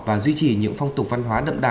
và duy trì những phong tục văn hóa đậm đà